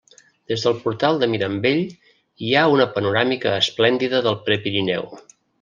Des del portal de Mirambell, hi ha una panoràmica esplèndida del Prepirineu.